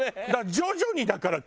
徐々にだから。